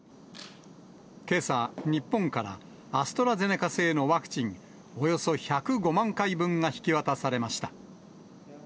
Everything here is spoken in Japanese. けさ、日本からアストラゼネカ製のワクチンおよそ１０５万回分が引き渡されました。